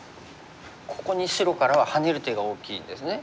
ここに白からはハネる手が大きいんですね。